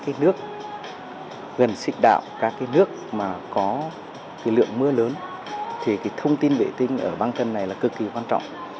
các nước gần xịn đạo các nước có lượng mưa lớn thì thông tin vệ tinh ở băng tần này là cực kỳ quan trọng